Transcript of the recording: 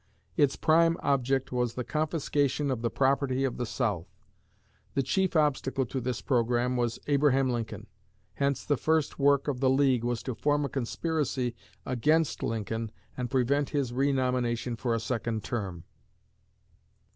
Its prime object was the confiscation of the property of the South. The chief obstacle to this program was Abraham Lincoln. Hence the first work of the League was to form a conspiracy against Lincoln and prevent his renomination for a second term.